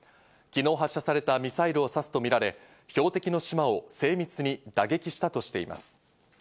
昨日発射されたミサイルを指すとみられ、標的の島を精密に打撃したとしています。